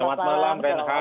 selamat malam ron hal